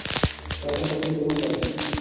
রাজা নতুন জীবন পাবেন।